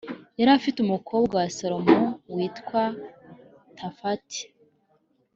Yari afite umukobwa wa salomo witwa tafati